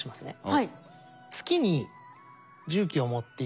はい。